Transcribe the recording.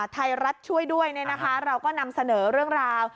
ไทยรัฐช่วยด้วยเราก็นำเสนอเรื่องราว